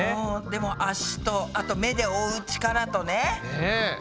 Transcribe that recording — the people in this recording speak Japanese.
でも足とあと目で追う力とね。ね。